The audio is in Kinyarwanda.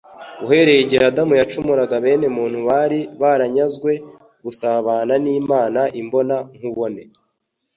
Uhereye igihe Adamu yacumuraga, bene muntu bari baranyazwe gusabana n'Imana imbona-nkubone,